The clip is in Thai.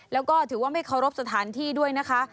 แล้วก็ถือว่าไม่เคารพสถานที่ด้วยนะคะ